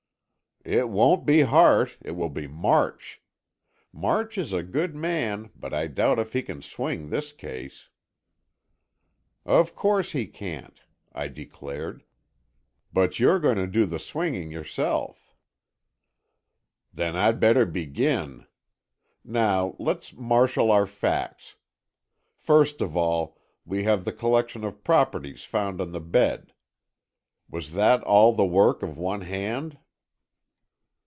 "It won't be Hart, it will be March. March is a good man, but I doubt if he can swing this case." "Of course he can't," I declared. "But you're going to do the swinging, yourself." "Then I'd better begin. Now let's marshal our facts. First of all, we have the collection of properties found on the bed. Was that all the work of one hand?"